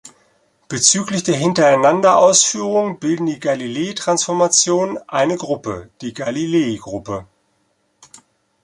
Bezüglich der Hintereinanderausführung bilden die Galilei-Transformationen eine Gruppe, die Galilei-Gruppe.